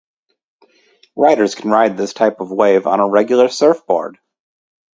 Riders can ride this type of wave on a regular surfboard.